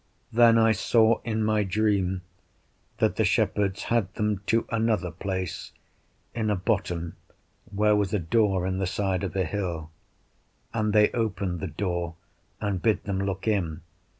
Then I saw in my dream that the shepherds had them to another place, in a bottom, where was a door in the side of a hill, and they opened the door, and bid them look in.